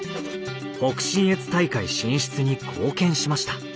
北信越大会進出に貢献しました。